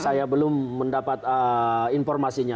saya belum mendapat informasinya